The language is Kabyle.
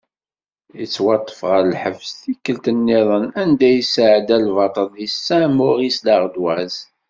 Yettwaṭṭef ɣer lḥebs tikkelt-nniḍen anda i yesεedda lbaṭel deg "Saint Maurice L’ardoise".